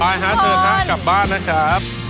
ไปเห้าเบิ่งนะครับกลับบ้านนะครับ